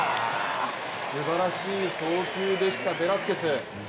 すばらしい送球でしたベラスケス。